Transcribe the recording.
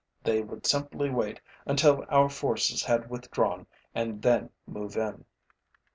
They would simply wait until our forces had withdrawn and then move in.